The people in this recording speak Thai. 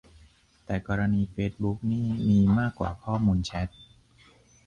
แต่กรณีเฟซบุ๊กนี่มีมากกว่าข้อมูลแชต